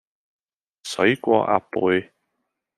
水過鴨背